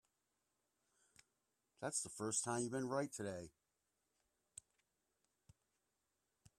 That's the first time you've been right today.